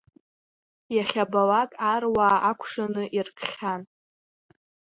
Иахьабалак аруаа акәшаны иркхьан.